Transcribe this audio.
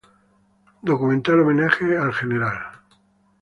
Documental Homenaje al Gral.